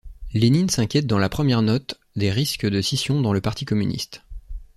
Lénine s'inquiète dans la première note des risques de scission dans le Parti communiste.